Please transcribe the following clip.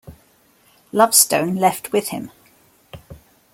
Lovestone left with him.